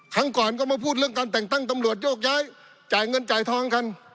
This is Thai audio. ครั้งก่อนก็มาพูดเรื่องการแต่งตั้งตำรวจโยกย้ายจ่ายเงินจ่ายทองกัน